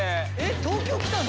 東京来たの？